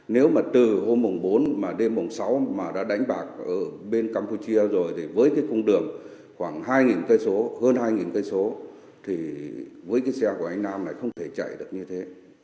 nếu mà từ hôm mùng bốn mà đêm mùng sáu mà đã đánh bạc ở bên campuchia rồi thì với cái cung đường khoảng hai cây số hơn hai cây số thì với cái xe của anh nam này không thể chạy được như thế